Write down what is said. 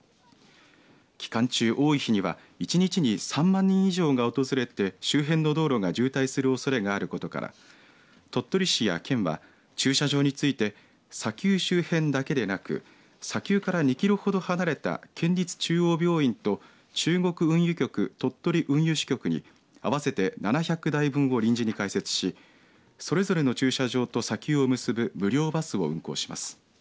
期間中、多い日には１日に３万人以上が訪れて周辺の道路が渋滞するおそれがあることから鳥取市や県は駐車場について砂丘周辺だけでなく砂丘から２キロほど離れた県立中央病院と中国運輸局鳥取運輸支局に合わせて７００台分を臨時に開設しそれぞれの駐車場と砂丘を結ぶ無料バスを運行します。